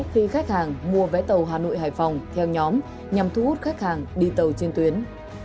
khi khách hàng mua vé tàu hà nội hải phòng theo nhóm nhằm thu hút khách hàng đi tàu trên tuyến